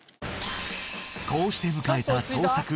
こうして迎えた